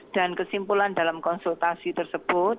dan kesimpulan dalam konsultasi tersebut